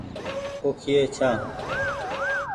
پوکئي ڇآن ۔